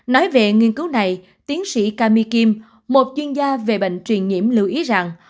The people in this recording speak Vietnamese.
nói về nghiên cứu này tiến sĩ kami kim một chuyên gia về bệnh truyền nhiễm lưu ý rằng